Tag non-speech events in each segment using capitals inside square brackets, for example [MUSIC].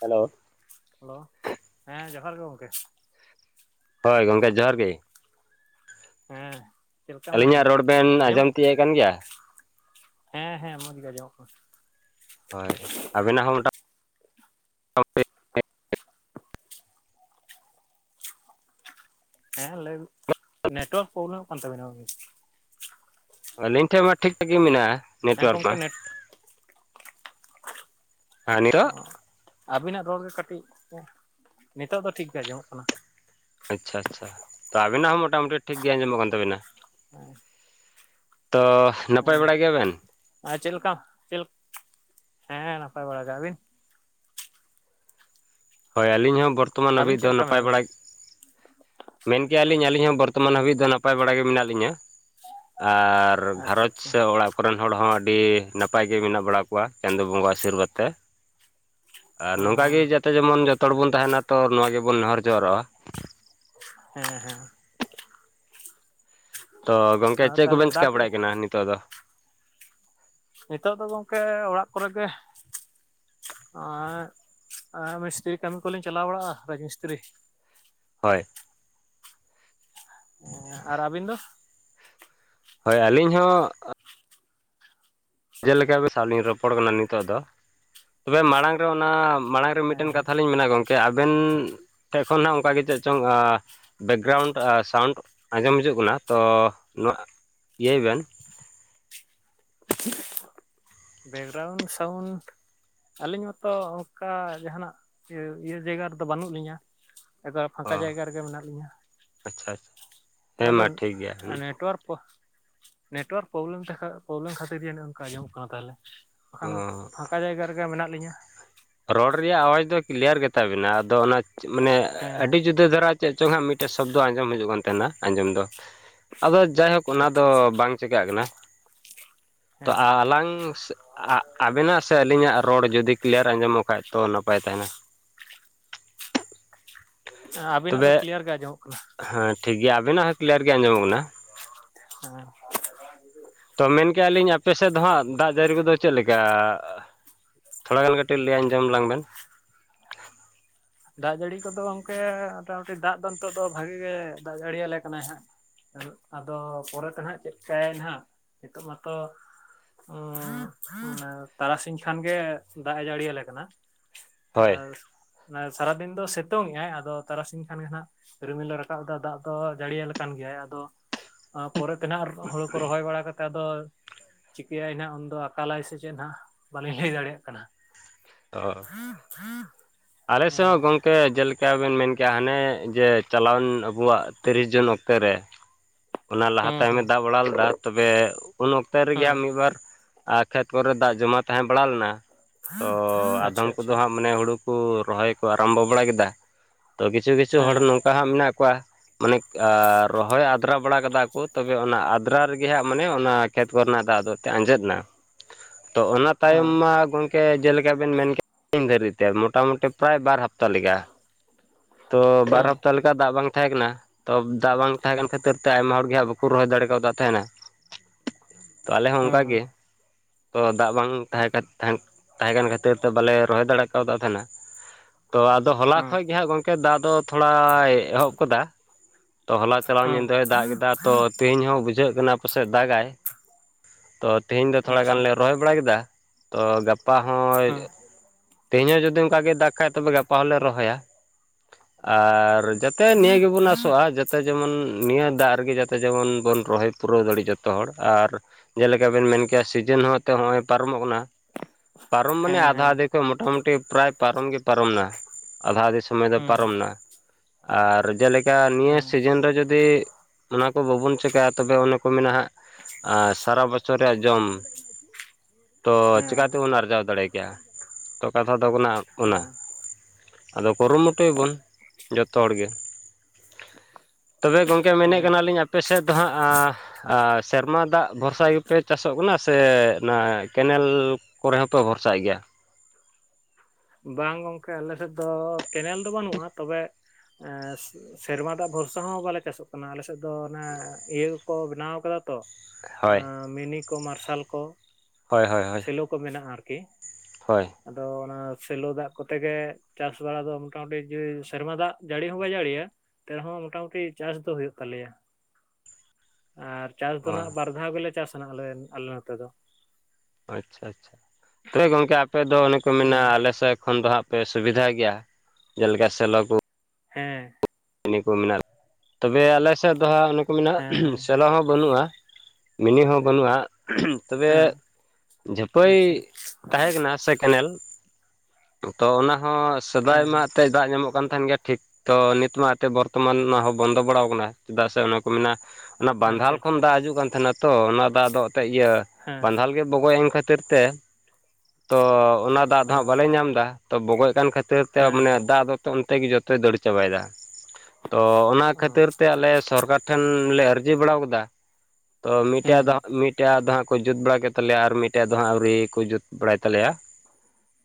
Hello hello, ᱦᱮᱸ ᱡᱚᱦᱟᱨ ᱜᱮ ᱜᱚᱝᱠᱮ᱾ ᱦᱳᱭ ᱜᱚᱝᱠᱮ ᱡᱚᱦᱟᱨ ᱜᱮ᱾ ᱦᱮᱸ ᱪᱮᱫ ᱞᱮᱠᱟ ᱢᱮᱱᱟᱜ ᱟᱹᱞᱤᱧᱟᱜ ᱵᱤᱱᱟ ᱨᱚᱲ ᱵᱮᱱ ᱟᱸᱡᱚᱢ ᱟᱸᱡᱚᱢᱚᱜ ᱛᱤᱭᱳᱜ ᱮ ᱠᱟᱱ ᱜᱮᱭᱟ? ᱦᱮᱸ ᱦᱮᱸ ᱢᱚᱡᱽ ᱜᱮ ᱟᱸᱡᱚᱢᱚᱜ ᱠᱟᱱᱟ ᱾ ᱦᱳᱭ ᱟᱵᱮᱱᱟᱜ ᱦᱚᱸ ᱢᱚᱴᱟ [UNINTELLIGIBLE] ᱦᱮᱸ ᱞᱟᱹᱭ ᱱᱮᱴᱣᱟᱨᱠ ᱯᱨᱚᱵᱞᱢ ᱠᱟᱱ ᱛᱟᱵᱮᱱᱟ ᱟᱹᱞᱤᱧ ᱴᱷᱮᱡ ᱢᱟ ᱴᱷᱤᱠ ᱴᱷᱟᱠ ᱜᱮ ᱢᱮᱱᱟᱜᱼᱟ᱾ ᱦᱮᱸ ᱱᱮᱴᱣᱟᱨᱠ ᱢᱟ ᱜᱚᱝᱠᱮ ᱱᱮᱴ ᱟᱨ ᱚ ᱱᱤᱛᱚᱜ ᱟᱹᱵᱤᱱᱟᱜ ᱨᱚᱲ ᱜᱮ ᱠᱟᱹᱴᱤᱡ ᱱᱤᱛᱳᱜ ᱫᱚ ᱴᱷᱤᱠ ᱜᱮ ᱟᱸᱡᱚᱢᱚᱜ ᱠᱟᱱᱟ᱾ ᱟᱪᱪᱷᱟ ᱟᱪᱪᱷᱟ ᱛᱚ ᱟᱵᱮᱱᱟᱜ ᱦᱚᱸ ᱢᱚᱴᱟᱢᱩᱴᱤ ᱴᱷᱤᱠ ᱜᱮ ᱟᱸᱡᱚᱢᱚᱜ ᱠᱟᱱ ᱛᱟᱵᱤᱱᱟ᱾ ᱚᱸ ᱛᱚ ᱱᱟᱯᱟᱭ ᱵᱟᱲᱟ ᱜᱮᱭᱟᱵᱮᱱ? ᱟᱨ ᱪᱮᱫ ᱞᱮᱠᱟ ᱪᱮᱫ, ᱦᱮᱸ ᱱᱟᱯᱟᱭ ᱵᱟᱲᱟ ᱜᱮ ᱟᱵᱤᱱ? ᱦᱳᱭ ᱟᱹᱞᱤᱧ ᱦᱚᱸ ᱵᱚᱨᱛᱚᱢᱟᱱ ᱦᱟᱹᱵᱤᱡ ᱟᱹᱵᱤᱱ ᱫᱚ ᱪᱮᱫ ᱞᱮᱠᱟ ᱱᱟᱯᱟᱭ ᱢᱮᱱᱟᱜ ᱵᱤᱱᱟ ᱵᱟᱲᱟ ᱢᱮᱱᱠᱮᱜᱼᱟ ᱞᱤᱧ ᱟᱹᱞᱤᱧ ᱦᱚᱸ ᱵᱚᱨᱛᱚᱢᱟᱱ ᱦᱟᱹᱵᱤᱡ ᱫᱚ ᱱᱟᱯᱟᱭ ᱵᱟᱲᱟᱜᱮ ᱢᱮᱱᱟᱜ ᱞᱤᱧᱟᱹ ᱟᱨ ᱟᱨ ᱟᱪᱪᱷᱟ ᱜᱷᱟᱨᱚᱸᱡᱽ ᱟᱪᱪᱷᱟ ᱥᱮ ᱚᱲᱟᱜ ᱠᱚᱨᱮᱱ ᱦᱚᱲ ᱦᱚᱸ ᱟᱹᱰᱤ ᱱᱟᱯᱟᱭ ᱜᱮ ᱢᱮᱱᱟᱜ ᱵᱟᱲᱟ ᱠᱚᱣᱟ ᱪᱟᱸᱫᱚ ᱵᱚᱸᱜᱟ ᱟᱥᱤᱨᱵᱟᱫ ᱛᱮ᱾ ᱟᱨ ᱦᱮᱸ ᱱᱚᱝᱠᱟ ᱜᱮ ᱡᱟᱛᱮ ᱡᱮᱢᱚᱱ ᱡᱚᱛᱚ ᱦᱚᱲ ᱵᱚᱱ ᱛᱟᱦᱮᱱᱟ ᱛᱚ ᱱᱚᱣᱟ ᱜᱮᱵᱚᱱ ᱱᱮᱦᱚᱨ ᱡᱚᱦᱟᱨᱚᱜᱼᱟ᱾ ᱦᱮᱸ ᱦᱮᱸ ᱛᱚ ᱜᱚᱝᱠᱮ ᱟᱨ ᱪᱮᱫ ᱛᱟᱦᱚᱞᱮ ᱠᱚᱵᱮᱱ ᱫᱟᱜ ᱪᱮᱠᱟ ᱵᱟᱲᱟᱭᱮᱫ ᱠᱟᱱᱟ ᱱᱤᱛᱚᱜ ᱫᱚ? ᱱᱤᱛᱚᱜ ᱫᱚ ᱜᱚᱢᱠᱮ ᱚᱲᱟᱜ ᱠᱚᱨᱮ ᱜᱮ᱾ ᱮᱸᱻ ᱢᱤᱥᱛᱨᱤ ᱠᱟᱹᱢᱤ ᱠᱚᱞᱤᱧ ᱪᱟᱞᱟᱣ ᱵᱟᱲᱟᱜᱼᱟ ᱨᱟᱡᱽ ᱢᱤᱥᱛᱨᱤ᱾ ᱦᱳᱭ ᱟᱨ ᱟᱵᱤᱱ ᱫᱚ? ᱦᱳᱭ ᱟᱹᱞᱤᱧ ᱦᱚᱸ ᱡᱮᱞᱮᱠᱟ ᱟᱵᱤ ᱥᱟᱶᱞᱤᱧ ᱨᱚᱯᱚᱲ ᱠᱟᱱᱟ ᱱᱤᱛᱚᱜ ᱫᱚ ᱛᱚᱵᱮ ᱢᱟᱲᱟᱝ ᱨᱮ ᱚᱱᱟ ᱢᱟᱲᱟᱝ ᱦᱮᱸ ᱢᱤᱫᱴᱮᱱ ᱦᱮᱸ ᱠᱟᱛᱷᱟ ᱞᱤᱧ ᱢᱮᱱᱟ ᱜᱚᱢᱠᱮ ᱟᱵᱮᱱ ᱴᱷᱮᱡ ᱠᱷᱚᱱ ᱦᱟᱸᱜ ᱚᱱᱠᱟ ᱜᱮ ᱪᱮᱫ ᱪᱚᱝ ᱟᱸ ᱵᱮᱠᱜᱨᱟᱣᱩᱱᱰ ᱥᱟᱣᱩᱱᱰ ᱟᱸᱡᱚᱢ ᱦᱤᱡᱩᱜ ᱠᱟᱱᱟ ᱛᱚ ᱱᱚᱣᱟ ᱤᱭᱟᱹᱭ ᱵᱮᱱ, ᱵᱮᱠᱜᱨᱟᱣᱩᱱᱰ ᱥᱟᱣᱩᱱᱰ ᱟᱹᱞᱤᱧ ᱢᱟᱛᱚ ᱚᱱᱠᱟ ᱡᱟᱦᱟᱱᱟᱜ ᱤᱭᱟᱹ ᱡᱟᱭᱜᱟ ᱨᱮᱫᱚ ᱵᱟᱹᱱᱩᱜ ᱞᱤᱧᱟᱹ᱾ ᱮᱠᱟ ᱚ ᱯᱷᱟᱸᱠᱟ ᱡᱟᱭᱜᱟ ᱨᱮᱜᱮ ᱢᱮᱱᱟᱜ ᱞᱤᱧᱟᱹ᱾ ᱟᱪᱪᱷᱟ ᱟᱪᱪᱷᱟ ᱦᱮᱸ ᱟᱫᱚ ᱢᱟ ᱴᱷᱤᱠ ᱜᱮᱭᱟ ᱦᱮᱸ ᱱᱮᱴᱳᱣᱟᱨ ᱯᱚ ᱱᱮᱴᱳᱣᱟᱨᱠ ᱯᱨᱚᱵᱞᱮᱢ ᱫᱮᱠᱷᱟᱣ ᱯᱨᱚᱵᱞᱮᱢ ᱠᱷᱟᱹᱛᱤᱨ ᱡᱟᱱᱤᱡ ᱚᱱᱠᱟ ᱟᱸᱡᱚᱢᱚᱜ ᱠᱟᱱᱟ ᱛᱟᱦᱚᱞᱮ ᱚ ᱵᱟᱠᱷᱟᱱ ᱯᱷᱟ ᱠᱟ ᱡᱟᱭᱜᱟ ᱨᱮᱜᱮ ᱢᱮᱱᱟᱜ ᱞᱤᱧᱟᱹ᱾ ᱨᱚᱲ ᱨᱮᱭᱟᱜ ᱟᱣᱟᱡᱽ ᱫᱚ ᱠᱞᱤᱭᱟᱨ ᱜᱮᱛᱟᱵᱮᱱᱟ ᱟᱫᱚ ᱚᱱᱟ ᱢᱟᱱᱮ ᱦᱮᱸ ᱦᱮᱸ ᱟᱹᱰᱤ ᱡᱩᱫᱟᱹ ᱫᱷᱟᱨᱟ ᱪᱮᱫ ᱪᱚᱝ ᱦᱟᱸᱜ ᱢᱤᱫᱴᱮᱱ ᱥᱚᱵᱽᱫᱚ ᱟᱸᱡᱚᱢ ᱦᱤᱡᱩᱜ ᱠᱟᱱ ᱛᱟᱦᱮᱱᱟ ᱟᱸᱡᱚᱢ ᱫᱚ᱾ ᱟᱫᱚ ᱡᱟᱭᱦᱳᱠ ᱚᱱᱟ ᱟᱪᱪᱷᱟ ᱫᱚ ᱟᱪᱪᱷᱟ ᱵᱟᱝ ᱪᱮᱠᱟᱹᱜ ᱠᱟᱱᱟ ᱛᱚ ᱦᱮᱸ ᱟᱞᱟᱝ ᱟ ᱟᱵᱮᱱᱟᱜ ᱥᱮ ᱟᱹᱞᱤᱧᱟᱜ ᱨᱚᱲ ᱡᱩᱫᱤ ᱠᱞᱤᱭᱟᱨ ᱟᱸᱡᱚᱢᱚᱜ ᱠᱷᱟᱡ ᱛᱚ ᱱᱟᱯᱟᱭ ᱛᱟᱦᱮᱱᱟ᱾ ᱮᱸ ᱟᱵᱤᱱᱟᱜ ᱫᱚ ᱛᱚᱵᱮ ᱠᱞᱤᱭᱟᱨ ᱜᱮ ᱟᱸᱡᱚᱢᱚᱜ ᱠᱟᱱᱟ᱾ ᱦᱮᱸ ᱴᱷᱤᱠ ᱜᱮᱭᱟ ᱟᱵᱤᱱᱟᱜ ᱦᱚᱸ ᱠᱞᱤᱭᱟᱨ ᱜᱮ ᱟᱸᱡᱚᱢᱚᱜ ᱠᱟᱱᱟ᱾ ᱦᱮᱸ [INAUDIBLE] ᱛᱚ ᱢᱮᱱ ᱠᱮᱜᱼᱟ ᱞᱤᱧ ᱟᱯᱮ ᱥᱮᱫ ᱫᱚ ᱦᱟᱸᱜ ᱫᱟᱜ ᱡᱟᱹᱲᱤ ᱠᱚᱫᱚ ᱪᱮᱫ ᱞᱮᱠᱟ? ᱛᱷᱚᱲᱟ ᱜᱟᱱ ᱠᱟᱹᱴᱤᱡ ᱞᱟᱹᱭ ᱟᱸᱡᱚᱢ ᱞᱟᱝ ᱵᱮᱱ ᱫᱟᱜ ᱡᱟᱹᱲᱤ ᱠᱚᱫᱚ ᱜᱚᱝᱠᱮ ᱢᱚᱴᱟᱢᱩᱴᱤ ᱫᱟᱜ ᱫᱚ ᱱᱤᱛᱚᱜ ᱫᱚ ᱵᱷᱟᱜᱤ ᱜᱮ ᱫᱟᱜ ᱡᱟᱹᱲᱤᱭᱟᱞᱮ ᱠᱟᱱᱟᱭ ᱦᱟᱸᱜ᱾ ᱟᱫᱚ ᱯᱚᱨᱮᱛᱮ ᱱᱟᱦᱟᱸᱜ ᱪᱮᱫ ᱠᱟᱭ ᱱᱟᱸᱷᱜ ᱱᱤᱛᱚᱜ ᱢᱟᱛᱚ ᱩᱸ ᱚᱱᱮ [UNINTELLIGIBLE] ᱛᱟᱨᱟᱥᱤᱧ ᱠᱷᱟᱱᱜᱮ ᱫᱟᱜ ᱮ ᱡᱟᱹᱲᱤᱭᱟᱞᱮ ᱠᱟᱱᱟ᱾ ᱦᱳᱭ ᱟᱨ ᱥᱟᱨᱟᱫᱤᱱ ᱫᱚ ᱥᱤᱛᱩᱝ ᱮᱜᱼ ᱟᱭ ᱟᱫᱚ ᱛᱟᱨᱟᱥᱤᱧ ᱠᱷᱟᱱ ᱜᱮ ᱱᱷᱟᱜ ᱨᱤᱢᱤᱞ ᱞᱮ ᱨᱟᱠᱟᱵ ᱮᱫᱟ ᱫᱟᱜ ᱫᱚ ᱡᱟᱹᱲᱤᱭᱟᱞᱮ ᱠᱟᱱᱟ ᱜᱮᱭᱟᱭ ᱟᱫᱚ ᱟᱨ ᱯᱚᱨᱮᱛᱮ ᱱᱷᱟᱜ ᱦᱩᱲᱩ ᱠᱚ ᱨᱚᱦᱚᱭ ᱵᱟᱲᱟ ᱠᱟ ᱚᱠᱟ ᱫᱚ ᱪᱤᱠᱟᱹᱭᱟᱭ ᱱᱷᱟᱜ ᱩᱱᱫᱚ ᱟᱠᱟᱞᱟᱭ ᱥᱮ ᱪᱮᱫ ᱱᱟᱦᱟᱜ ᱵᱟᱹᱞᱤᱧ ᱞᱟᱹᱭ ᱫᱟᱲᱮᱭᱟᱜ ᱠᱟᱱᱟ᱾ ᱚ ᱟᱞᱮ ᱥᱮᱫ ᱦᱮᱸ ᱦᱚᱸ ᱜᱚᱝᱠᱮ ᱡᱮ ᱠᱟᱵᱮᱱ ᱢᱮᱱᱠᱮᱜᱼᱟ ᱦᱟᱱᱮ ᱡᱮ ᱪᱟᱞᱟᱣᱮᱱ ᱟᱵᱚᱣᱟᱜ ᱛᱤᱨᱤᱥ ᱡᱩᱱ ᱚᱠᱛᱮ ᱨᱮ ᱚᱱᱟ ᱞᱟᱦᱟ ᱦᱩᱸ ᱛᱟᱭᱚᱢᱮ ᱦᱩᱸ ᱫᱟᱜ ᱵᱟᱲᱟ ᱞᱮᱫᱟ ᱛᱚᱵᱮ ᱩᱱ ᱚᱠᱛ ᱨᱮᱜᱮ ᱦᱩᱸ ᱦᱟᱸᱜ ᱢᱤᱫ ᱵᱟᱨ ᱟᱨ ᱠᱷᱮᱛ ᱠᱚᱨᱮ ᱫᱟᱜ ᱡᱚᱢᱟ ᱛᱟᱦᱮᱸ ᱵᱟᱲᱟ ᱞᱮᱱᱟ, ᱛᱚ ᱟᱫᱷᱚᱢ ᱟᱪᱪᱷᱟ ᱠᱚᱫᱚ ᱟᱪᱪᱷᱟ ᱦᱟᱸᱜ ᱢᱟᱱᱮ ᱦᱩᱲᱩ ᱠᱚ ᱨᱚᱦᱚᱭ ᱠᱚ ᱟᱨᱟᱢᱵᱚ ᱵᱟᱲᱟ ᱠᱮᱫᱟ᱾ ᱛᱚ ᱠᱤᱪᱷᱩ ᱠᱤᱪᱷᱩ ᱦᱚᱲ ᱦᱮᱸ ᱱᱚᱝᱠᱟ ᱦᱟᱜ ᱢᱮᱱᱟᱜ ᱠᱚᱣᱟ ᱢᱟᱱᱮ [UNINTELLIGIBLE] ᱨᱚᱦᱚᱭ ᱟᱛᱨᱟ ᱵᱟᱲᱟ ᱠᱟᱫᱟ ᱠᱚ ᱛᱚᱵᱮ ᱚᱱᱟᱼᱼ [UNINTELLIGIBLE] ᱨᱮᱜᱮ ᱦᱟᱸᱜ ᱢᱟᱱᱮ ᱚᱱᱟ ᱠᱷᱮᱛ ᱠᱚᱨᱮᱱᱟᱜ ᱫᱟᱜ ᱫᱚ ᱮᱱᱛᱮ ᱟᱸᱡᱮᱫ ᱮᱱᱟ᱾ [UNINTELLIGIBLE] ᱛᱚ ᱚᱱᱟ ᱛᱟᱭᱚᱢ ᱦᱩᱸ ᱢᱟ ᱜᱚᱝᱠᱮᱼᱼ ᱡᱮᱞᱮᱠᱟ ᱵᱮᱱ ᱢᱮᱱ ᱠᱮᱫ [UNINTELLIGIBLE] ᱫᱷᱟᱹᱨᱤᱡᱛᱮ ᱢᱚᱴᱟᱢᱩᱴᱤ ᱯᱨᱟᱭ ᱵᱟᱨ ᱦᱟᱯᱛᱟ ᱦᱟᱯᱛᱟ ᱞᱮᱠᱟ ᱛᱚ ᱵᱟᱨ ᱦᱩᱸ ᱦᱟᱯᱛᱟ [UNINTELLIGIBLE] ᱞᱮᱠᱟ ᱫᱟᱜ ᱵᱟᱝ ᱛᱟᱦᱮᱸ ᱠᱟᱱᱟ ᱛᱚ ᱫᱟᱜ ᱵᱟᱝ ᱛᱟᱦᱮᱸ ᱠᱟᱱ ᱠᱷᱟᱹᱛᱤᱨ ᱛᱮ ᱟᱭᱢᱟ ᱦᱚᱲ ᱜᱮ ᱦᱟᱸᱜ ᱵᱟᱠᱚ ᱨᱚᱦᱚᱭ ᱫᱟᱲᱮ ᱟᱠᱟᱫᱟ [UNINTELLIGIBLE] ᱼᱼ [UNINTELLIGIBLE] ᱛᱚ ᱟᱞᱮ ᱦᱚᱸ ᱦᱩᱸ ᱚᱱᱠᱟ ᱜᱮ ᱦᱩᱸ ᱛᱚ ᱫᱟᱜ ᱵᱟᱝ ᱛᱟᱦᱮᱸ [UNINTELLIGIBLE] ᱼᱼ ᱛᱟᱦᱮᱸ ᱠᱟᱱ ᱠᱷᱟᱹᱛᱤᱨ ᱛᱮ ᱵᱟᱞᱮ ᱨᱚᱦᱚᱭ ᱫᱟᱲᱮ ᱟᱠᱟᱫ ᱛᱟᱦᱮᱱᱟ ᱛᱚ ᱟᱫᱚ ᱦᱚᱞᱟ ᱦᱩᱸ ᱠᱷᱚᱡ ᱜᱮᱦᱟᱸᱜ ᱜᱚᱝᱠᱮ ᱜᱚᱢᱠᱮ ᱫᱟᱜ ᱫᱚ ᱛᱷᱚᱲᱟᱭ ᱮᱦᱚᱵ ᱟᱠᱟᱫᱟ ᱛᱚ ᱦᱚᱞᱟ ᱪᱟᱞᱟᱣ ᱮᱱ ᱦᱩᱸ ᱧᱤᱫᱟᱹ ᱫᱟᱜ ᱠᱮᱫᱟ᱾ ᱛᱚ ᱛᱮᱦᱮᱧ ᱦᱚᱸ ᱵᱩᱡᱷᱟᱹᱜ ᱠᱟᱱᱟ ᱯᱟᱥᱮᱡ ᱫᱟᱜᱟᱭ ᱛᱚ ᱛᱮᱦᱮᱧ ᱫᱚ ᱛᱷᱚᱲᱟ ᱟᱪᱪᱷᱟ ᱜᱟᱱᱞᱮ ᱨᱚᱦᱚᱭ ᱵᱟᱲᱟ ᱠᱮᱫᱟ ᱛᱚ ᱜᱟᱯᱟ ᱦᱚᱸ ᱦᱩᱸ ᱛᱮᱦᱮᱧ ᱦᱚᱸ ᱡᱩᱫᱤ ᱚᱱᱠᱟ ᱜᱮᱭ ᱫᱟᱜ ᱠᱷᱟᱡ ᱛᱚᱵᱮ ᱜᱟᱯᱟ ᱦᱚᱞᱮ ᱨᱚᱦᱚᱭᱟ᱾ ᱟᱨ ᱡᱟᱛᱮ ᱱᱤᱭᱟᱹ ᱜᱮᱵᱚᱱ ᱟᱥᱚᱜᱼᱟ ᱡᱟᱛᱮ ᱡᱮᱢᱚᱱ ᱱᱤᱭᱟᱹ ᱫᱟᱜ ᱨᱮᱜᱮ ᱡᱟᱛᱮ ᱡᱮᱢᱚᱱ ᱵᱚᱱ ᱨᱚᱦᱚᱭ ᱯᱩᱨᱟᱹᱣ [UNINTELLIGIBLE] ᱡᱚᱛᱚ ᱦᱚᱲ ᱟᱨ ᱡᱮᱞᱮᱠᱟᱵᱮᱱ ᱢᱮᱱᱠᱮᱫᱟ ᱥᱤᱡᱤᱱ ᱦᱚᱸ ᱛᱚ ᱱᱚᱜᱼᱚᱭ ᱯᱟᱨᱚᱢᱚᱜ ᱠᱟᱱᱟ᱾ ᱯᱟᱨᱚᱢ ᱢᱟᱱᱮ ᱦᱮᱸ ᱟᱫᱷᱟ ᱦᱮᱸ ᱟᱫᱷᱮ ᱠᱷᱚᱡ ᱢᱚᱴᱟ ᱟᱢᱩᱴᱤ ᱯᱨᱟᱭ ᱯᱟᱨᱚᱢ ᱜᱮᱮ ᱯᱟᱨᱚᱢ ᱮᱱᱟ ᱟᱫᱷᱟ ᱟᱫᱮ ᱥᱚᱢᱚᱭ ᱫᱚ ᱦᱩᱸ ᱯᱟᱨᱚᱢᱮᱱᱟ ᱟᱨ ᱡᱮᱞᱮᱠᱟ ᱱᱤᱭᱟᱹ ᱦᱮᱸ ᱥᱤᱡᱤᱱ ᱨᱮ ᱡᱚᱫᱤ ᱚᱱᱟ ᱠᱚ ᱵᱟᱵᱚᱱ ᱪᱤᱠᱟᱭᱟ ᱛᱚᱵᱮ ᱚᱱᱟ ᱠᱚ ᱢᱮᱱᱟᱜᱟ [UNINTELLIGIBLE] ᱥᱟᱨᱟ ᱵᱚᱪᱷᱚᱨ ᱨᱮᱭᱟᱜ ᱡᱚᱢ ᱛᱚ ᱪᱤᱠᱟᱹ ᱦᱮᱸ ᱛᱮᱵᱚᱱ ᱟᱨᱡᱟᱣ ᱫᱟᱲᱮ ᱠᱮᱭᱟ [UNINTELLIGIBLE] ᱛᱚ ᱠᱟᱛᱷᱟ ᱫᱚ ᱠᱟᱱᱟ ᱚᱱᱟ ᱦᱮᱸ ᱟᱫᱚ ᱠᱩᱨᱩᱢᱩᱴᱩᱭᱟᱵᱚᱱ ᱡᱚᱛᱚ ᱦᱚᱲᱜᱮ [UNINTELLIGIBLE] ᱛᱚᱵᱮ ᱜᱚᱝᱠᱮ ᱦᱮᱸ ᱢᱮᱱᱮᱫ ᱠᱟᱱᱟᱞᱤᱧ ᱟᱯᱮ ᱥᱮᱫ ᱫᱚ ᱦᱟᱸᱜ ᱟᱨ ᱥᱮᱨᱢᱟ ᱫᱟᱜ ᱵᱷᱚᱨᱥᱟ ᱜᱮᱯᱮ ᱪᱟᱥᱚᱜ ᱠᱟᱱᱟ ᱥᱮ ᱚᱱᱟ ᱠᱮᱱᱮᱞ ᱠᱚᱨᱮ ᱦᱚᱸᱯᱮ ᱵᱷᱚᱨᱥᱟᱭ ᱜᱮᱭᱟᱼᱼ ᱵᱟᱝ ᱜᱚᱝᱠᱮ ᱟᱞᱮ ᱥᱮᱫ ᱫᱚ ᱠᱮᱱᱮᱞ ᱫᱚ ᱵᱟᱹᱱᱩᱜᱼᱟ ᱛᱚᱵᱮ [UNINTELLIGIBLE] ᱥᱮᱨᱢᱟ ᱫᱟᱜ ᱵᱷᱚᱨᱥᱟ ᱦᱚᱸ ᱵᱟᱞᱮ ᱪᱟᱥᱚᱜ ᱠᱟᱱᱟ ᱟᱞᱮᱥᱮᱫ ᱫᱚ ᱚᱱᱮ ᱤᱭᱟᱹ ᱠᱚᱠᱚ ᱵᱮᱱᱟᱣ ᱠᱟᱫᱟ ᱛᱚ ᱦᱳᱭ ᱢᱤᱱᱤ ᱠᱚ ᱢᱟᱨᱥᱟᱞ ᱠᱚ᱾ ᱦᱳᱭ ᱦᱳᱭ᱾ ᱥᱮᱞᱚ ᱠᱚ ᱢᱮᱱᱟᱜᱼᱟ ᱟᱨᱠᱤ᱾ ᱦᱳᱭ᱾ ᱟᱫᱚ ᱚᱱᱟ ᱥᱮᱞᱚ ᱫᱟᱜ ᱠᱚᱛᱮ ᱜᱮ ᱪᱟᱥ ᱵᱟᱲᱟ ᱫᱚ ᱢᱚᱴᱟᱢᱩᱴᱤ ᱥᱮᱨᱢᱟ ᱫᱟᱜ ᱡᱟᱹᱲᱤ ᱦᱚᱸ ᱵᱟᱭ ᱡᱟᱹᱲᱤᱭᱟ ᱛᱮ ᱨᱮᱦᱚᱸ ᱢᱳᱴᱟᱢᱩᱴᱤ ᱪᱟᱥ ᱫᱚ ᱦᱩᱭᱩᱜ ᱛᱟᱞᱮᱭᱟ ᱟᱨ ᱪᱟᱥ ᱫᱚ ᱚ ᱱᱟᱦᱟᱜ ᱵᱟᱨ ᱫᱷᱟᱣ ᱜᱮᱞᱮ ᱪᱟᱥᱟ ᱟᱞᱮ ᱟᱞᱮ ᱱᱚᱛᱮ ᱫᱚ ᱟᱪᱪᱷᱟ ᱟᱪᱪᱷᱟ ᱛᱚᱵᱮ ᱜᱚᱝᱠᱮ ᱟᱯᱮ ᱫᱚ ᱚᱱᱮ ᱠᱚ ᱢᱮᱱᱟ ᱦᱩᱸ ᱟᱞᱮ ᱥᱮᱫ ᱠᱷᱚᱱ ᱫᱚ ᱦᱟᱸᱜ ᱯᱮ ᱥᱩᱵᱤᱫᱷᱟ ᱜᱮᱭᱟ ᱡᱮᱞᱮᱠᱟ ᱥᱮᱞᱚ ᱠᱚ ᱦᱮᱸ᱾ ᱤᱱᱟᱹ ᱠᱚ ᱢᱮᱱᱟᱜᱼᱟ᱾ ᱛᱚᱵᱮ ᱟᱞᱮ ᱥᱮᱫ ᱫᱚ ᱦᱟᱸᱜ ᱤᱱᱟᱹ ᱠᱚ ᱢᱮᱱᱟᱜᱼᱟ ᱦᱮᱸ ᱦᱮᱸ ᱥᱮᱞᱚ ᱦᱚᱸ ᱵᱟᱹᱱᱩᱜᱼᱟ᱾ ᱢᱤᱱᱤ ᱦᱚᱸ ᱵᱟᱹᱱᱩᱜᱼᱟ᱾ ᱛᱚᱵᱮ ᱦᱮᱸ ᱡᱷᱟᱹᱯᱟᱹᱭ ᱟᱪᱪᱷᱟ ᱛᱟᱦᱮᱸ ᱠᱟᱱᱟ ᱥᱮ ᱠᱮᱱᱮᱞ ᱛᱚ ᱚᱱᱟ ᱦᱚᱸ ᱥᱮᱫᱟᱭ ᱦᱮᱸ ᱢᱟ ᱦᱮᱸ ᱮᱱᱛᱮᱫ ᱫᱟᱜ ᱧᱟᱢᱚᱜ ᱠᱟᱱ ᱛᱟᱦᱮᱱ ᱜᱮᱭᱟ ᱴᱷᱤᱠ ᱛᱚ ᱱᱤᱜ ᱛᱚ [UNINTELLIGIBLE] ᱮᱱᱛᱮᱫ ᱵᱚᱨᱛᱚᱢᱟᱱ ᱚᱱᱟ ᱦᱚᱸ ᱵᱚᱱᱫᱚ ᱵᱟᱲᱟ ᱠᱟᱱᱟ ᱪᱮᱫᱟᱜ ᱥᱮ ᱚᱱᱟ ᱠᱚ [UNINTELLIGIBLE] ᱼᱼ ᱚᱱᱟ ᱟᱪᱪᱷᱟ ᱵᱟᱸᱫᱷᱟᱞ ᱠᱷᱚᱱ ᱟᱪᱪᱷᱟ ᱫᱟᱜ ᱦᱤᱡᱩᱜ ᱠᱟᱱ ᱛᱟᱦᱮᱱᱟ ᱛᱚ ᱚᱱᱟ ᱫᱟᱜ ᱫᱚ ᱮᱱᱛᱮᱜ ᱤᱭᱟᱹ ᱦᱮᱸ ᱵᱟᱸᱫᱷᱟᱞ ᱜᱮ ᱵᱚᱜᱚᱡ ᱮᱱ ᱠᱷᱟᱹᱛᱤᱨ ᱛᱮ ᱛᱚ ᱚᱱᱟ ᱫᱟᱜ ᱫᱚ ᱚ ᱦᱟᱸᱜ ᱵᱟᱞᱮ ᱧᱟᱢ ᱮᱫᱟ ᱛᱚ ᱵᱚᱜᱚᱡ ᱠᱟᱱ ᱠᱷᱟᱹᱛᱤᱨ ᱛᱮ ᱦᱮᱸ ᱢᱟᱱᱮ ᱦᱮᱸ ᱫᱟᱜ ᱫᱚ ᱚᱱᱛᱮᱜᱮ ᱡᱚᱛᱚᱭ ᱫᱟᱹᱲ ᱪᱟᱵᱟᱭᱮᱫᱟ᱾ ᱛᱚ ᱚᱱᱟ ᱚ ᱠᱷᱟᱹᱛᱤᱨ ᱛᱮ ᱟᱞᱮ ᱥᱚᱨᱠᱟᱨ ᱴᱷᱮᱱ ᱞᱮ ᱟᱹᱨᱡᱤ ᱵᱟᱲᱟ ᱠᱟᱫᱟ᱾ ᱛᱚ ᱦᱩᱸ ᱢᱤᱫᱴᱟᱝ ᱫᱚ ᱦᱩᱸ ᱦᱟᱜ ᱢᱤᱫᱴᱟᱝ ᱫᱚ ᱦᱟᱸᱜ ᱠᱚ ᱡᱩᱛ ᱵᱟᱲᱟ ᱠᱮᱫ ᱛᱟᱞᱮᱭᱟ ᱟᱨ ᱢᱤᱫᱴᱟᱝ ᱫᱚ ᱦᱟᱸᱜ ᱟᱹᱣᱨᱤ ᱠᱚ ᱡᱩᱛ ᱵᱟᱲᱟᱭ ᱛᱟᱞᱮᱭᱟ᱾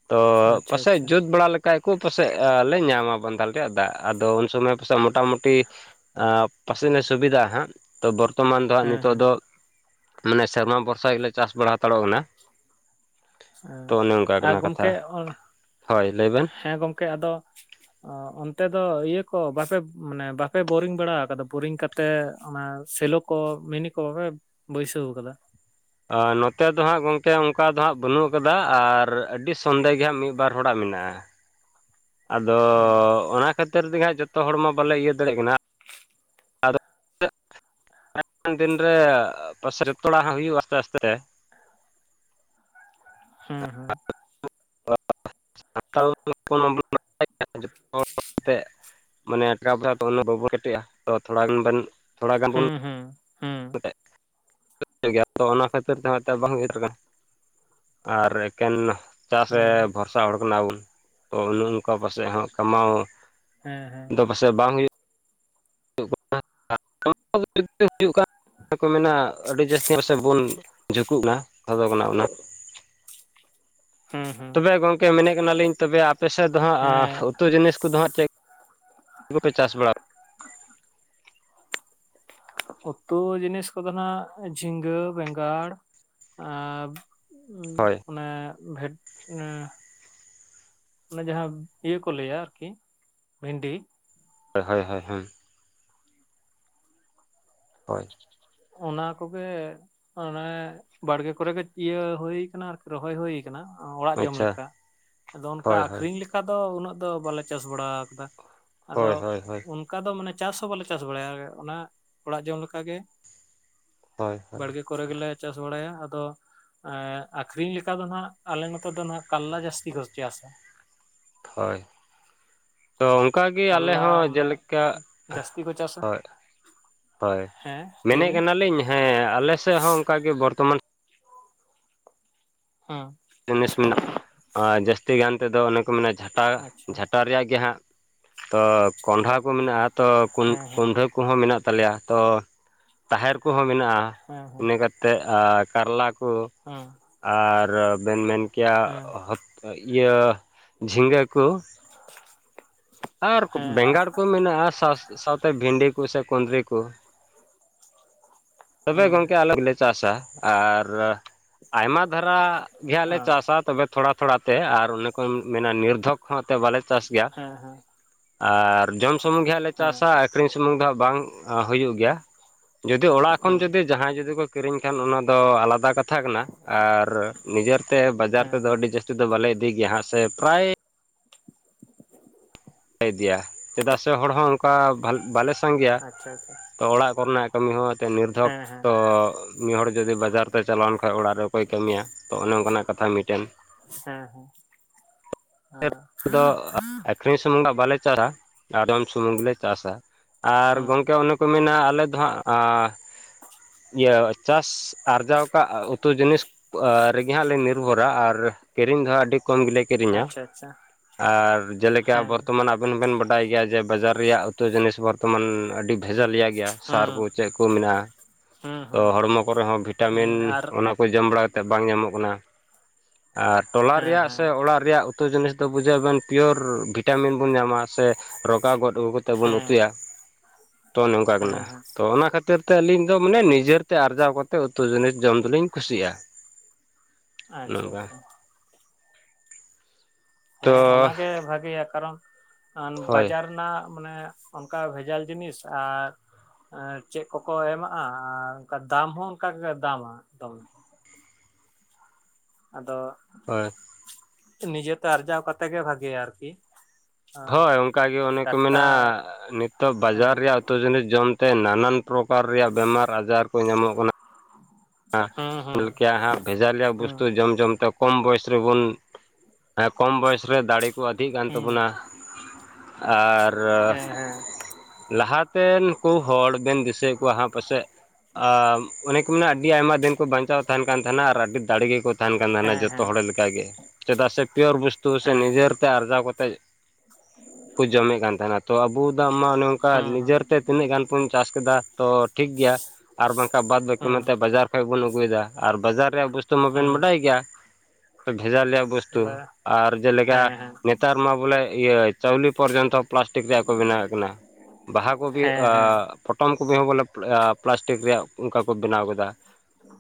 ᱛᱚ ᱟᱪᱪᱷᱟ ᱯᱟᱥᱮᱡ ᱟᱪᱪᱷᱟ ᱡᱩᱛ ᱵᱟᱲᱟ ᱞᱮᱠᱷᱟᱱ ᱯᱟᱥᱮᱡ ᱞᱮ ᱧᱟᱢᱟ ᱵᱟᱸᱫᱟᱞ ᱨᱮᱭᱟᱜ ᱫᱟᱜ ᱟᱫᱚ ᱥᱚᱢᱚᱭ [UNINTELLIGIBLE] ᱢᱚᱴᱟ [UNINTELLIGIBLE] ᱼᱼ ᱢᱩᱴᱤ [UNINTELLIGIBLE] ᱯᱟᱥᱮᱡ ᱥᱩᱵᱤᱫᱟᱜᱼᱟ ᱦᱟᱸᱜ ᱛᱚ ᱵᱚᱨᱛᱚᱢᱟᱱ ᱫᱚ ᱦᱟᱸᱜ ᱦᱮᱸ ᱱᱤᱛᱚᱜ ᱦᱮᱸ ᱫᱚ᱾ ᱢᱟᱱᱮ ᱥᱮᱨᱢᱟ ᱵᱷᱚᱨᱥᱟ ᱜᱮᱞᱮ ᱪᱟᱥ ᱵᱟᱲᱟ ᱦᱟᱛᱟᱲᱚᱜ ᱠᱟᱱᱟ᱾ ᱦᱮᱸ ᱛᱚ ᱚᱱᱮ ᱚᱱᱠᱟ ᱟᱨ ᱠᱟᱱᱟ ᱜᱚᱢᱠᱮ ᱠᱟᱛᱷᱟ ᱦᱳᱭ ᱞᱟᱹᱭ ᱵᱮᱱ ᱦᱮᱸ ᱜᱚᱢᱠᱮ ᱟᱫᱚ ᱚ ᱚᱱᱛᱮ ᱫᱚ ᱤᱭᱟᱹ ᱠᱚ ᱵᱟᱯᱮ ᱢᱟᱱᱮ ᱵᱟᱯᱮ ᱵᱳᱨᱤᱝ ᱵᱟᱲᱟ ᱟᱠᱟᱫᱟ ᱵᱳᱨᱤᱝ ᱠᱟ ᱛᱮ ᱚᱱᱟ ᱥᱮᱞᱚ ᱠᱚ ᱢᱤᱱᱤ ᱠᱚᱯᱨ ᱵᱟᱹᱭᱥᱟᱹᱣ ᱟᱠᱟᱫᱟ? ᱱᱚᱛᱮ ᱫᱚ ᱦᱟᱸᱜ ᱜᱚᱢᱠᱮ ᱚᱱᱠᱟ ᱫᱚ ᱦᱟᱸᱜ ᱵᱟᱹᱱᱩᱜ ᱠᱟᱫᱟ ᱟᱨ ᱟᱹᱰᱤ ᱥᱚᱱᱫᱮ ᱜᱮ ᱦᱟᱸᱜ ᱢᱤᱫ ᱵᱟᱨ ᱦᱚᱲᱟᱜ ᱢᱮᱱᱟᱜᱼᱟ᱾ ᱟᱫᱚ ᱚᱱᱟ ᱠᱷᱟᱹᱛᱤᱨ ᱛᱮᱜᱮ ᱦᱟᱸᱜ ᱡᱚᱛᱚ ᱦᱚᱲᱢᱟ ᱵᱟᱞᱮ ᱤᱭᱟᱹ ᱫᱟᱲᱮᱜ ᱠᱟᱱᱟ᱾ ᱟᱫᱚ ᱟᱭ [UNINTELLIGIBLE] ᱫᱤᱱ ᱨᱮ ᱯᱟᱥᱨᱮ ᱛᱚᱲᱟ ᱦᱚᱸ ᱦᱩᱭᱩᱜᱼᱟ ᱟᱥᱛᱮ ᱟᱥᱛᱮ᱾ ᱦᱮᱸ ᱦᱮᱸ ᱟᱭ ᱡᱚᱛᱚ [UNINTELLIGIBLE] ᱛᱮᱜ ᱢᱟᱱᱮ ᱴᱟᱠᱟ ᱯᱚᱭᱥᱟ ᱛᱚ ᱵᱟᱵᱚᱱ ᱠᱮᱴᱮᱡᱼᱟ ᱛᱚ ᱛᱷᱚᱲᱟ ᱜᱟᱱ ᱵᱮᱱ ᱦᱮᱸ ᱦᱮᱸ᱾ ᱮᱱ ᱜᱮᱭᱟ ᱛᱚ ᱚᱱᱟ ᱠᱷᱟᱹᱛᱤᱨ ᱛᱮᱦᱚᱸ ᱮᱱᱛᱮᱫ ᱵᱟᱝ ᱦᱩᱭ ᱩᱛᱟᱹᱨ ᱟᱱᱟ‌ ᱟᱨ ᱮᱠᱮᱱ ᱪᱟᱥ ᱨᱮ ᱦᱮᱸ ᱵᱷᱚᱨᱥᱟ ᱦᱚᱲ ᱠᱟᱱᱟᱵᱚᱱ ᱛᱚ ᱚᱱᱮ ᱚᱱᱠᱟ ᱯᱟᱥᱮᱡ ᱦᱚᱸ ᱠᱟᱢᱟᱣ ᱦᱮᱸ ᱦᱮᱸ ᱯᱟᱥᱮ ᱵᱟᱝ ᱦᱩᱭᱩᱜᱼᱟ᱾ [UNINTELLIGIBLE] [UNINTELLIGIBLE] ᱦᱩᱭᱩᱜ ᱠᱚ ᱢᱮᱱᱟ ᱟᱹᱰᱤ ᱡᱟᱹᱥᱛᱤ ᱯᱟᱥᱮ ᱵᱚᱱ ᱴᱩᱜ ᱠᱟᱱᱟ [UNINTELLIGIBLE] ᱠᱷᱟᱫᱚᱜ ᱠᱟᱱᱟ ᱚᱱᱟ ᱦᱩᱸ ᱦᱩᱸ ᱜᱚᱢᱠᱮ ᱢᱮᱱᱮᱫ ᱠᱟᱱᱟᱞᱤᱧ ᱛᱚᱵᱮ ᱟᱯᱮ ᱥᱮᱫ ᱫᱚ ᱦᱟᱸᱜ ᱦᱮᱸ ᱩᱛᱩ ᱡᱤᱱᱤᱥ ᱠᱚᱫᱚ ᱦᱟᱸᱜ ᱪᱮᱫ ᱠᱚᱯᱮ ᱪᱟᱥ ᱵᱟᱲᱟ ᱩᱛᱩ ᱡᱤᱱᱤᱥ ᱠᱚᱫᱚ ᱱᱟᱜ ᱡᱷᱤᱸᱜᱟᱹ, ᱵᱮᱸᱜᱟᱲ ᱟᱨ ᱦᱳᱭ ᱢᱟᱱᱮ ᱵᱷᱮᱫ ᱚᱱᱮ ᱡᱟᱦᱟᱸ ᱤᱭᱟᱹ ᱠᱚ ᱞᱟᱹᱭᱟ ᱟᱨᱠᱤ ᱵᱷᱮᱱᱰᱤ ᱦᱳᱭ ᱦᱳᱭ ᱦᱳᱭ ᱦᱮᱸ ᱦᱳᱭ ᱚᱱᱟ ᱠᱚᱜᱮ ᱚᱱᱮ ᱵᱟᱲᱜᱮ ᱠᱚᱨᱮᱜ ᱤᱭᱟᱹ ᱦᱩᱭ ᱠᱟᱱᱟ ᱟᱨᱠᱤ ᱨᱚᱦᱚᱭ ᱦᱩᱭ ᱟᱠᱟᱱᱟ ᱚᱲᱟᱜ ᱡᱚᱢ ᱟᱪᱪᱷᱟ ᱞᱮᱠᱟ ᱟᱫᱚ ᱚᱱᱠᱟ ᱦᱳᱭ ᱦᱳᱭ ᱟᱠᱷᱨᱤᱧ ᱚᱱᱠᱟ ᱫᱚ ᱩᱱᱟᱹᱜ ᱫᱚ ᱵᱟᱞᱮ ᱪᱟᱥ ᱵᱟᱲᱟ ᱟᱠᱟᱫᱟ ᱟᱫᱚ ᱦᱳᱭ ᱦᱳᱭ ᱦᱳᱭ ᱩᱱ ᱠᱟ ᱫᱚ ᱢᱟᱱᱮ ᱪᱟᱥ ᱦᱚᱸ ᱵᱟᱞᱮ ᱪᱟᱥ ᱵᱟᱲᱟᱭᱟ ᱚᱱᱟ ᱚᱲᱟᱜ ᱡᱚᱢ ᱞᱮᱠᱟᱜᱮ ᱦᱳᱭ ᱦᱳᱭ ᱵᱟᱲᱜᱮ ᱠᱚᱨᱮ ᱜᱮᱞᱮ ᱪᱟᱥ ᱵᱟᱲᱟᱭᱟ, ᱟᱫᱚ ᱮ ᱟᱠᱷᱨᱤᱧ ᱞᱮᱠᱟ ᱫᱚ ᱱᱟᱜ ᱟᱞᱮ ᱱᱚᱛᱮ ᱫᱚ ᱠᱟᱨᱞᱟ ᱡᱟᱹᱥᱛᱤ ᱠᱚ ᱪᱟᱥᱟ᱾ ᱦᱳᱭ ᱛᱚ ᱚᱱᱠᱟᱜᱮ ᱟᱞᱮ ᱠᱟᱨᱞᱟ ᱦᱚᱸ ᱢᱟᱱᱮ ᱡᱮᱞᱮᱠᱟ ᱡᱟᱹᱥᱛᱤ ᱠᱚ ᱪᱟᱥᱟ ᱦᱳᱭ᱾ ᱦᱳᱭ ᱦᱮᱸ ᱞᱟᱹᱭ ᱢᱮᱱᱮᱫ ᱵᱤᱱ ᱠᱟᱱᱟᱞᱤᱧ ᱦᱮᱸ ᱟᱞᱮ ᱥᱮᱫ ᱦᱚᱸ ᱚᱱᱠᱟ ᱜᱮ ᱵᱚᱨᱛᱚᱢᱟᱱ ᱦᱮᱸ ᱡᱤᱱᱤᱥ ᱢᱮᱱᱟᱜᱼᱟ ᱟᱨ ᱡᱟᱹᱥᱛᱤ ᱜᱟᱱ ᱛᱮᱫᱚ ᱚᱱᱮ ᱠᱚ ᱢᱮᱱᱟ ᱡᱷᱟᱴᱟ, ᱟᱪᱪᱷᱟ ᱡᱷᱟᱴᱟ ᱨᱮᱭᱟᱜ ᱜᱮ ᱦᱟᱸᱜ ᱛᱚ ᱠᱚᱱᱰᱷᱟ ᱠᱚ ᱢᱮᱱᱟᱜᱼᱟ ᱛᱚ ᱦᱮᱸ ᱦᱮᱸ ᱠᱸᱰᱟᱹ ᱠᱚ ᱠᱚᱦᱚᱸ ᱢᱮᱱᱟᱜ ᱛᱟᱞᱮᱭᱟ ᱛᱚ ᱛᱟᱦᱮᱨ ᱠᱚᱦᱚᱸ ᱢᱮᱱᱟᱜᱼᱟ, ᱦᱮᱸ ᱦᱮᱸ ᱤᱱᱟᱹ ᱠᱟᱛᱮᱜ ᱟᱨ ᱠᱟᱨᱞᱟ ᱠᱚ ᱦᱮᱸ ᱟᱨ ᱵᱮᱱ ᱢᱮᱱ ᱠᱮᱭᱟ ᱦᱮᱸ ᱦᱚᱛ ᱤᱭᱟᱹ ᱡᱷᱤᱸᱜᱟᱹ ᱠᱚ, ᱟᱨ ᱦᱮᱸ ᱦᱮᱸ ᱵᱮᱸᱜᱟᱲ ᱠᱚ ᱢᱮᱱᱟᱜᱼᱟ ᱥᱟᱶ ᱥᱟᱶᱛᱮ ᱵᱷᱤᱱᱰᱤ ᱠᱚ, ᱥᱮ ᱠᱩᱸᱫᱽᱨᱤ ᱠᱚ, [UNINTELLIGIBLE] ᱛᱚᱵᱮ ᱜᱚᱝᱠᱮ ᱟᱞᱮ ᱜᱮᱞᱮ ᱪᱟᱥᱟ, ᱟᱨ ᱟᱭᱢᱟ ᱫᱷᱟᱨᱟ ᱜᱮᱦᱟᱸᱜ ᱞᱮ ᱦᱮᱸ ᱪᱟᱥᱟ ᱛᱚᱵᱮ ᱛᱷᱚᱲᱟ ᱛᱷᱚᱲᱟ ᱛᱮ ᱟᱨ ᱚᱱᱮ ᱠᱚ ᱢᱮᱱᱟ ᱱᱤᱨᱫᱷᱚᱠ ᱦᱚᱸᱛᱮ ᱵᱟᱞᱮ ᱪᱟᱥ ᱜᱮᱭᱟ ᱦᱮᱸ ᱦᱮᱸ ᱟᱨ ᱡᱚᱢ ᱥᱩᱢᱩᱝ ᱜᱮ ᱦᱟᱜ ᱞᱮ ᱦᱮᱸ ᱪᱟᱥᱟ, ᱟᱹᱠᱷᱨᱤᱧ ᱥᱩᱢᱩᱝ ᱫᱚ ᱦᱟᱸᱜ ᱵᱟᱝ ᱦᱩᱭᱩᱜ ᱜᱮᱭᱟ ᱡᱩᱫᱤ ᱚᱲᱟᱜ ᱠᱷᱚᱱ ᱦᱩᱸ ᱡᱩᱫᱤ ᱡᱟᱦᱟᱸᱭ ᱡᱩᱫᱤ ᱠᱚ ᱠᱤᱨᱤᱧ ᱠᱷᱟᱱ ᱚᱱᱟ ᱫᱚ ᱟᱞᱟᱫᱟ ᱠᱟᱛᱷᱟ, ᱠᱟᱛᱷᱟ ᱠᱟᱱᱟ ᱟᱨ ᱱᱤᱡᱮᱛᱮ ᱵᱟᱡᱟᱨ ᱦᱮᱸ ᱛᱮᱫᱚ ᱦᱮᱸ ᱟᱹᱰᱤ ᱡᱟᱹᱥᱛᱤ ᱫᱚ ᱵᱟᱞᱮ ᱤᱫᱤ ᱜᱮᱭᱟ ᱦᱟᱸᱟᱜ ᱥᱮ ᱯᱮᱨᱟᱭ ᱤᱫᱤᱭᱟ, ᱪᱮᱫᱟᱜ ᱥᱮ ᱦᱚᱲ ᱦᱚᱸ ᱚᱱᱠᱟ ᱵᱟᱞᱮ ᱥᱟᱸᱜᱮᱭᱟ ᱟᱪᱪᱷᱟ ᱟᱪᱪᱷᱟ ᱛᱚ ᱚᱲᱟᱜ ᱠᱚᱨᱮᱱᱟᱜ ᱠᱟᱹᱢᱤ ᱦᱚᱸ ᱮᱱᱛᱮ ᱱᱤᱨᱫᱷᱚᱠ ᱦᱮᱸ ᱦᱮᱸ ᱛᱚ ᱢᱤᱫ ᱦᱚᱲ ᱡᱩᱫᱤ ᱵᱟᱡᱟᱨ ᱛᱮ ᱪᱟᱞᱟᱣᱮᱱ ᱠᱷᱟᱡᱽ ᱚᱲᱟᱜ ᱨᱮ ᱚᱠᱚᱭ ᱠᱟᱹᱢᱤᱭᱟ ᱛᱚ ᱚᱱᱮ ᱚᱱᱠᱟᱱᱟᱜ ᱠᱟᱛᱷᱟ ᱢᱤᱫᱴᱮᱱ, ᱦᱮᱸ ᱦᱮᱸ ᱾ ᱟᱫᱷᱮᱠ ᱠᱚᱫᱚ ᱟᱠᱷᱨᱤᱧ ᱥᱩᱢᱩᱝᱟᱜ ᱫᱚ ᱵᱟᱞᱮ ᱪᱟᱨᱟ ᱟᱫ ᱡᱚᱢ ᱥᱩᱢᱩᱝᱞᱮ ᱪᱟᱥᱟ ᱟᱨ ᱦᱩᱸ ᱜᱚᱢᱠᱮ ᱚᱱᱮ ᱠᱚ ᱢᱮᱱᱟ ᱟᱞᱮ ᱫᱚ ᱦᱟᱸᱜᱼᱟ ᱟᱨ ᱤᱭᱟᱹ ᱪᱟᱥ ᱟᱨᱡᱟᱣ ᱠᱟᱜ ᱩᱛᱩ ᱡᱤᱱᱤᱥ [UNINTELLIGIBLE] ᱨᱮᱜᱮ ᱦᱟᱸᱜ ᱞᱮ ᱱᱤᱨᱵᱷᱚᱨᱟ ᱟᱨ ᱠᱤᱨᱤᱧ ᱫᱚᱦᱟᱸᱜ ᱟᱹᱰᱤ ᱠᱚᱢ ᱜᱮᱞᱮ, ᱠᱤᱨᱤᱧᱟ ᱟᱪᱪᱷᱟ ᱟᱪᱪᱷᱟ ᱾ ᱟᱨ ᱡᱮᱞᱮᱠᱟ ᱵᱚᱨᱛᱚᱢᱟᱱ, ᱟᱵᱮᱱᱵᱮᱱ ᱵᱟᱰᱟᱭ ᱜᱮᱭᱟ ᱡᱮ ᱵᱟᱡᱟᱨ ᱨᱮᱭᱟᱜ ᱩᱛᱩ ᱡᱤᱱᱤᱥ ᱵᱚᱨᱛᱚᱢᱟᱱ ᱟᱹᱰᱤ ᱵᱷᱮᱡᱟᱞᱤᱭᱟ ᱜᱮᱭᱟ ᱾ ᱦᱩᱸ ᱥᱟᱨ ᱠᱚ ᱪᱮᱫ ᱠᱚ ᱢᱮᱱᱟᱜᱼᱟ ᱦᱩᱸ ᱛᱚ ᱦᱩᱸ ᱦᱚᱲᱢᱚ ᱠᱚᱨᱮ ᱦᱚᱸ ᱦᱩᱸ ᱵᱷᱤᱴᱟᱢᱤᱱ ᱟᱨ ᱚᱱᱟ ᱠᱚ ᱡᱚᱢ ᱵᱟᱲᱟ ᱠᱟᱛᱮᱫ ᱵᱟᱝ ᱧᱟᱢᱚᱜ ᱠᱟᱱᱟ ᱟᱨ ᱴᱚᱞᱟ ᱦᱮᱸ ᱨᱮᱭᱟᱜ ᱦᱮᱸ ᱥᱮ ᱚᱲᱟᱜ ᱨᱮᱭᱟᱜ ᱩ ᱼᱼ ᱛᱩ ᱡᱤᱱᱤᱥ ᱫᱚ ᱵᱩᱡᱷᱟᱹᱣ ᱵᱮᱱ ᱯᱤᱭᱳᱨ ᱵᱷᱤᱴᱟᱢᱤᱱ ᱵᱚᱱ ᱧᱟᱢᱟ ᱥᱮ ᱨᱚᱜᱟ ᱜᱚᱫ ᱟᱹᱜᱩ ᱛᱮ ᱵᱚᱱ ᱦᱮᱸ ᱩᱛᱩᱭᱟ ᱛᱚ ᱱᱚᱝᱠᱟ ᱦᱮᱸ ᱠᱟᱱᱟ ᱦᱮᱸ ᱛᱚ ᱚᱱᱟ ᱠᱷᱟᱹᱛ ᱼᱼ ᱠᱷᱟᱹᱛᱤᱨ ᱛᱮ ᱟᱹᱞᱤᱧ ᱫᱚ ᱢᱟᱱᱮ ᱱᱤᱡᱮᱨᱛᱮ ᱟᱨᱡᱟᱣ ᱠᱟᱛᱮ ᱩᱛᱩ ᱡᱤᱱᱤᱥ ᱡᱚᱢ ᱫᱚᱞᱤᱧ ᱠᱩᱥᱤᱭᱟᱜᱼᱟ ᱾ ᱟᱪᱪᱷᱟ ᱟᱪᱪᱷᱟ, ᱛᱚ ᱦᱮᱸ ᱚᱱᱟᱜᱮ ᱵᱷᱟᱜᱮᱭᱟ ᱠᱟᱨᱚᱱ ᱦᱳᱭ ᱵᱟᱡᱟᱨ ᱨᱮᱱᱟᱜ ᱢᱟᱱᱮ ᱚᱱᱠᱟ ᱵᱷᱮᱡᱟᱞ ᱡᱤᱱᱤᱥ ᱟᱨ ᱪᱮᱫ ᱠᱚᱠᱚ ᱮᱢᱟᱜᱼᱟ ᱟᱨ ᱚᱱᱠᱟ ᱫᱟᱢ ᱦᱚᱸ ᱚᱱᱠᱟ ᱜᱮ ᱫᱟᱢᱟ ᱫᱚᱢᱮ ᱟᱫᱚ ᱦᱳᱭ ᱾ ᱱᱤᱡᱮᱛᱮ ᱟᱨᱡᱟᱣ ᱠᱟᱛᱮᱜ ᱜᱮ ᱵᱷᱟᱜᱮᱭᱟ ᱟᱨᱠᱤ, ᱦᱳᱭ ᱚᱱᱠᱟᱜᱮ ᱚᱱᱮ ᱠᱚ ᱴᱟᱴᱠᱟ ᱢᱮᱱᱟ ᱱᱤᱛᱚᱜ ᱦᱮᱸ ᱵᱟᱡᱟᱨ ᱨᱮᱭᱟᱜ ᱩᱛᱩ ᱡᱤᱱᱤᱥ ᱡᱚᱢᱛᱮ ᱱᱟᱱᱟᱱ ᱯᱨᱚᱠᱟᱨ ᱨᱮᱭᱟᱜ ᱵᱮᱢᱟᱨ ᱟᱡᱟᱨ ᱠᱚ ᱧᱟᱢᱚᱜ ᱠᱟᱱᱟ ᱾ [INAUDIBLE] ᱦᱩᱸ [UNINTELLIGIBLE] ᱦᱟᱸᱜ ᱵᱷᱮᱡᱟ ᱤᱞᱭᱟ ᱦᱩᱸ ᱵᱚᱥᱛᱩ ᱡᱚᱢ ᱡᱚᱢ ᱛᱮ, ᱠᱚᱢ ᱵᱚᱭᱮᱥ ᱨᱮᱵᱚᱱ ᱠᱚᱢ ᱵᱚᱭᱮᱥᱨᱮ ᱫᱟᱲᱮ ᱠᱚ ᱟᱫᱷᱤᱜ ᱠᱟᱱ ᱦᱩᱸ ᱛᱟᱵᱚᱱᱟ ᱾ ᱟᱨ, ᱦᱮᱸ ᱦᱮᱸ ᱞᱟᱦᱟᱛᱮᱱ ᱠᱩ ᱦᱚᱲ ᱵᱮᱱ ᱫᱤᱥᱟᱹᱭᱮᱫ ᱠᱚᱣᱟ ᱦᱟᱸᱜ ᱯᱟᱥᱮᱡ ᱟ ᱚᱱᱮ ᱠᱚ ᱢᱮᱱᱟᱜ ᱜᱮ ᱟᱭᱢᱟ ᱫᱤᱱ ᱠᱚ ᱵᱟᱧᱪᱟᱣ ᱛᱟᱸᱦᱮᱱ ᱠᱟᱱ ᱛᱟᱸᱦᱮᱱᱟ ᱟᱨ ᱟᱹᱰᱤ ᱫᱟᱲᱮ ᱜᱮᱠᱚ ᱛᱟᱸᱦᱮᱱ ᱠᱟᱱ ᱛᱟᱦᱮᱱᱟ ᱦᱮᱸ ᱡᱚᱛᱚ ᱦᱮᱸ ᱦᱚᱲ ᱞᱮᱠ ᱚᱱᱠᱟᱜ ᱜᱮ ᱪᱮᱫᱟᱜ ᱥᱮ ᱯᱤᱭᱳᱨ ᱵᱚᱥᱥᱛᱩ ᱥᱮ ᱦᱮᱸ ᱱᱤᱡᱮᱨ ᱛᱮ ᱟᱨᱡᱟᱣ ᱠᱟᱛᱮᱫ ᱠᱚ ᱡᱚᱢᱮᱫ ᱠᱟᱱ ᱛᱟᱦᱮᱱᱟ ᱛᱚ ᱟᱵᱚ ᱫᱟᱜ ᱢᱟ ᱚᱱᱮ ᱚᱝᱠᱟ ᱦᱩᱸ ᱱᱤᱡᱮᱨᱛᱮ ᱛᱤᱱᱟᱹᱜ ᱜᱟᱱ ᱵᱚᱱ ᱪᱟᱥ ᱠᱮᱫᱟ ᱛᱚ ᱴᱷᱤᱠ ᱜᱮᱭᱟ ᱟᱨ ᱵᱟᱝᱠᱷᱟᱱ ᱵᱟᱫ ᱵᱟᱠᱤ ᱦᱩᱸ ᱚᱱᱟ ᱵᱟᱡᱟᱨ ᱠᱷᱚᱡ ᱵᱚᱱ ᱟᱹᱜᱩᱭᱮᱫᱟ ᱟᱨ ᱵᱟᱡᱟᱨ ᱨᱮᱭᱟᱜ ᱵᱚᱥᱛᱩ ᱢᱟᱵᱮᱱ ᱦᱩᱸ ᱵᱟᱰᱟᱭ ᱜᱮᱭᱟ ᱾ ᱵᱷᱮᱡᱟ ᱞᱮᱭᱟ ᱦᱩᱸ ᱵᱩᱚᱥᱛᱩ ᱵᱟ ᱟᱨ ᱡᱮᱞᱮᱠᱟ ᱦᱮᱸ ᱦᱮᱸ ᱱᱮᱛᱟᱨ ᱢᱟ ᱵᱚᱞᱮ ᱤᱭᱟᱹ ᱪᱟᱣᱞᱮ ᱯᱚᱨᱡᱚᱱᱛᱚ ᱯᱞᱟᱥᱴᱤᱠ ᱨᱮᱭᱟᱜ ᱠᱚ ᱵᱮᱱᱟᱣᱮᱫ ᱠᱟᱱᱟ ᱾ ᱵᱟᱦᱟ ᱠᱚᱵᱤ ᱦᱮᱸ ᱦᱮᱸ ᱦᱮᱸ ᱯᱚᱴᱚᱢ ᱠᱚᱵᱤ ᱦᱚᱸ ᱵᱚᱞᱮ ᱯᱞᱟᱥᱴᱤᱠ ᱨᱮᱭᱟᱜ ᱚᱱᱠᱟᱠᱚ ᱵᱮᱱᱟᱣ ᱠᱟ ᱫᱟ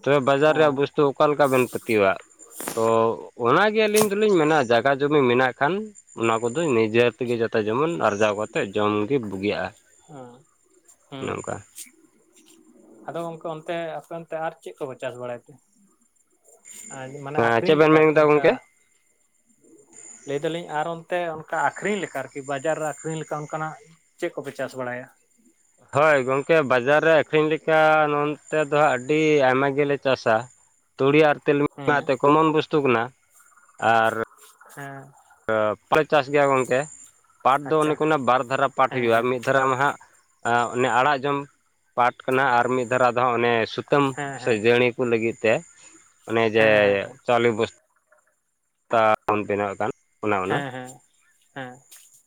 ᱛᱚᱵᱮ ᱵᱟᱡᱟᱨ ᱨᱮᱭᱟᱜ ᱵᱚᱥᱛᱩ ᱚᱠᱟᱞᱠᱟ ᱵᱮᱱ ᱯᱟᱹᱛᱭᱟᱹᱣᱟᱜ ᱛᱚ ᱚᱱᱟᱜᱮ ᱟᱹᱞᱤᱧ ᱫᱚᱞᱤᱧ ᱢᱮᱱᱟ ᱡᱟᱭᱜᱟ ᱡᱩᱢᱤ ᱢᱮᱱᱟᱜ ᱠᱷᱟᱱ ᱚᱱᱟ ᱠᱚᱫᱚ ᱱᱤᱡᱮ ᱛᱮᱜᱮ ᱡᱟᱛᱮ ᱡᱮᱢᱚᱱ ᱟᱨᱡᱟᱣ ᱠᱟᱛᱮᱜ ᱡᱚᱢᱜᱤ ᱵᱩᱜᱤᱜᱼᱟ ᱾ ᱦᱮᱸ ᱾ ᱚᱱᱮ ᱚᱱᱠᱟ, ᱟᱫᱚ ᱜᱟᱝᱠᱮ ᱚᱱᱛᱮ ᱟᱯᱮ ᱚᱱᱛᱮ ᱟᱨ ᱪᱮᱫ ᱠᱚᱯᱮ ᱪᱟᱥ ᱵᱟᱲᱟᱭ ᱛᱮ, ᱢᱟᱱᱮ ᱦᱮᱸ ᱟᱠᱷᱨᱤᱧ ᱪᱮᱫ ᱵᱮᱱ ᱞᱮᱠᱟ ᱢᱮᱱ ᱟᱨᱠᱤ ᱠᱮᱫᱟ ᱚᱱᱠᱟ ᱜᱚᱝᱠᱮ ᱞᱟᱹᱭ ᱫᱟᱞᱤᱧ ᱟᱨ ᱚᱱᱛᱮ ᱚᱱᱠᱟ ᱟᱹᱷᱨᱤᱧ ᱞᱮᱠᱟ ᱟᱨᱠᱤ ᱵᱟᱡᱟᱨ ᱨᱮ ᱟᱠᱷᱨᱤᱧ ᱞᱮᱠᱟ ᱚᱱᱠᱟᱱᱟᱜ ᱪᱮᱫ ᱠᱚᱯᱮ ᱪᱟᱥ ᱵᱟᱲᱟᱭᱟ? ᱦᱳᱭ ᱜᱚᱝᱠᱮ ᱵᱟᱡᱟᱨ ᱨᱮ ᱟᱹᱠᱷᱨᱤᱧ ᱞᱮᱠᱟ ᱱᱚᱱᱛᱮ ᱫᱚ ᱦᱜ ᱟᱹᱰᱤ ᱟᱭᱢᱟ ᱜᱮᱞᱮ ᱪᱟᱥᱟ ᱾ ᱛᱩᱲᱤ ᱟᱨ ᱛᱮᱞᱢᱤᱧ ᱦᱮᱸ ᱢᱟᱛᱮ ᱠᱚᱢᱚᱱ ᱵᱚᱥᱛᱩ ᱠᱟᱱᱟ ᱟᱨ ᱦᱮᱸ ᱯᱟᱴ ᱞᱮ ᱪᱟᱥ ᱜᱮᱭᱟ ᱜᱚᱝᱠᱮ, ᱯᱟᱴ ᱫᱚ ᱚᱱᱮ ᱟᱪᱪᱷᱟ ᱚᱱᱠᱟᱱᱟᱜ ᱵᱟᱨ ᱫᱷᱟᱨᱟ ᱯᱟᱴ ᱦᱮᱸ ᱦᱩᱭᱩᱜᱼᱟ ᱢᱤᱫ ᱦᱮᱸ ᱫᱷᱟᱹᱣ ᱾ ᱢᱤᱫ ᱫᱷᱟᱨᱟ ᱢᱟ ᱦᱟᱸᱜ ᱚᱱᱮ ᱟᱲᱟᱜ ᱡᱚᱢ ᱯᱟᱴ ᱠᱟᱱᱟ ᱟᱨ ᱢᱤᱫ ᱫᱷᱟᱨᱟ ᱫᱚ ᱦᱟᱸᱜ ᱚᱱᱮ ᱥᱩᱛ ᱥᱩᱛᱟᱹᱢ ᱦᱮᱸ ᱥᱮ ᱦᱮᱸ ᱡᱟᱹᱲᱤ ᱠᱚ ᱞᱟᱹᱜᱤᱫ ᱛᱮ ᱚᱱᱮ ᱡᱮ ᱦᱮᱸ ᱦᱮᱸ ᱦᱮᱸ ᱦᱮᱸ ᱪᱟᱣᱞᱮ ᱵᱚᱥ ᱵᱚᱱ ᱵᱮᱱᱟᱣ ᱠᱟᱱ ᱦᱮᱸ ᱦᱮᱸ ᱾